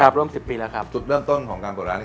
ร่วมสิบปีแล้วครับจุดเริ่มต้นของการเปิดร้านนี้